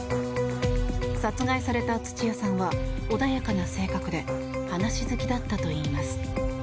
殺害された土屋さんは穏やかな性格で話好きだったといいます。